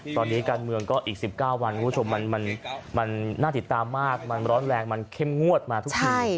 ตอนนี้การเมืองก็อีก๑๙วันคุณผู้ชมมันน่าติดตามมากมันร้อนแรงมันเข้มงวดมาทุกที